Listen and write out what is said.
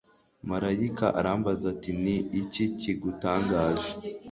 Marayika arambaza ati “Ni iki kigutangaje?